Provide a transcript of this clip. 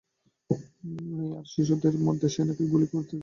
মেয়ে আর শিশুদের দলের মধ্যে সে নাকি গুলি ছুড়েছে।